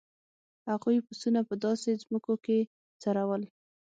هغوی پسونه په داسې ځمکو کې څرول.